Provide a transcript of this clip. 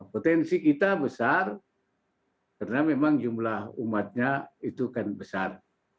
potensi kita besar karena memang jumlah umatnya itu kan besar